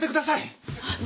あっ。